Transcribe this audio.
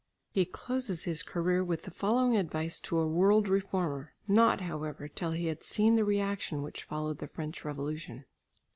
He closes his career with the following advice to a world reformer (not, however, till he had seen the reaction which followed the French Revolution).